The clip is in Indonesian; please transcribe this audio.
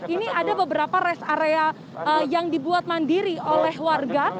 ini ada beberapa rest area yang dibuat mandiri oleh warga